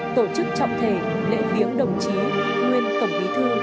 tổ chức trọng thể lễ viếng đồng chí nguyên tổng bí thư